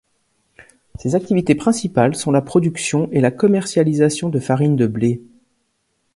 Ses activités principales sont la production et la commercialisation de farines de blé.